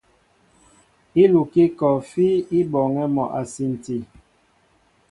Ílukí kɔɔfí i bɔɔŋɛ́ mɔ a sinti.